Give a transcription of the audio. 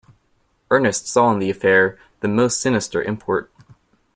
Ernest saw in the affair the most sinister import.